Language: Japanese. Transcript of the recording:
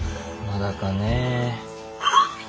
まだかねえ。